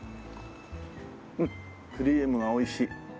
うんクリームがおいしい。